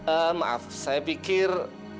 eh maaf saya pikir